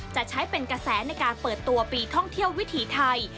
จะใช้เป็นกระแสในการเปิดตัวปีท่องเที่ยววิถีไทย